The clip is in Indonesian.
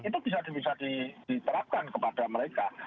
nah kan itu bisa diterapkan kepada mereka